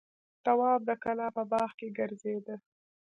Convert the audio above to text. تواب د کلا په باغ کې ګرځېده.